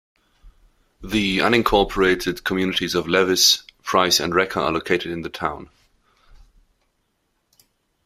The unincorporated communities of Levis, Price and Requa are located in the town.